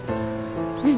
うん。